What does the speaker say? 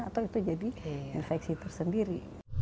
atau itu jadi infeksi tersendiri